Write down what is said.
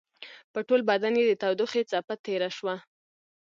په ټول بدن يې د تودوخې څپه تېره شوه.